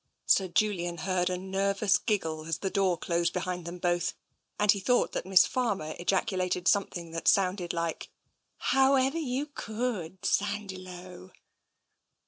Sir Julian heard a nervous giggle as the door closed behind them both, and he thought that Miss Farmer ejaculated something that sounded like, " However you could, Sandiloe